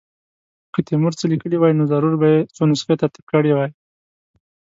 که تیمور څه لیکلي وای نو ضرور به یې څو نسخې ترتیب کړې وای.